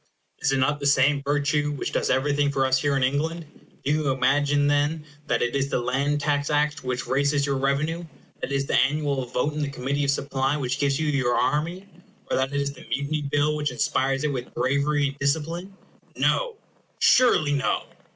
Is it not the same virtue which does everything for us here in England? Do you imagine, then, that it is the Land Tax Act which raises your revenue? that it is the annual vote in the Committee of Supply which gives you your army? or that it is the Mutiny Bill which inspires it with bravery and discipline? No! surely no!